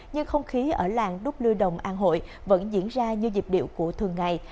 nhưng không khí ở làng đúc lưu đồng an hội vẫn diễn ra như dịp điệu của thường ngày